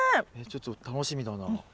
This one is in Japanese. ちょっと楽しみだな。